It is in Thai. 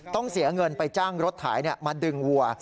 เสียเงินไปจ้างรถไถมาดึงวัว